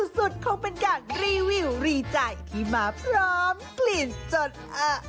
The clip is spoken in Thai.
คืออะไรเค้าเรียกว่าถุงอะไรค่ะอันนี้